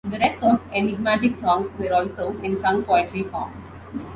The rest of "Enigmatic" songs were also in sung poetry form.